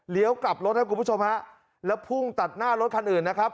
กลับรถครับคุณผู้ชมฮะแล้วพุ่งตัดหน้ารถคันอื่นนะครับ